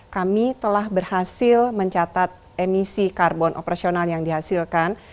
kami telah berhasil mencatat emisi karbon operasional yang dihasilkan